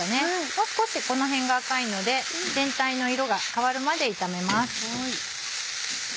もう少しこの辺が赤いので全体の色が変わるまで炒めます。